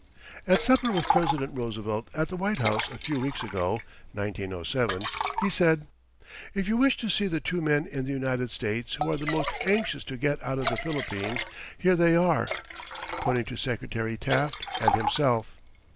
At supper with President Roosevelt at the White House a few weeks ago (1907), he said: "If you wish to see the two men in the United States who are the most anxious to get out of the Philippines, here they are," pointing to Secretary Taft and himself.